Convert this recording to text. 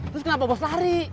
terus kenapa bos lari